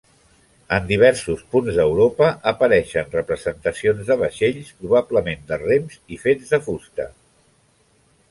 En diversos punts d'Europa apareixen representacions de vaixells, probablement de rems i fets de fusta.